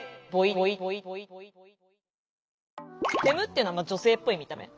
フェムっていうのは女性っぽい見た目。